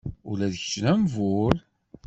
Ula d kečč d ambur?